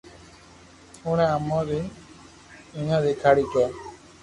اوڻي امو نين دنيا دآکاري ھي